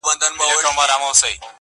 د غم او د ښادۍ کمبلي ورکي دي له خلکو،